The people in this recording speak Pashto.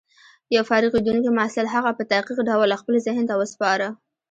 يو فارغېدونکي محصل هغه په دقيق ډول خپل ذهن ته وسپاره.